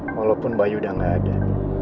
walaupun bayi udah gak ada